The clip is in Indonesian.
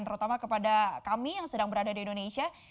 terutama kepada kami yang sedang berada di indonesia